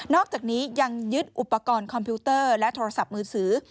อกจากนี้ยังยึดอุปกรณ์คอมพิวเตอร์และโทรศัพท์มือถือ